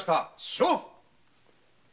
勝負！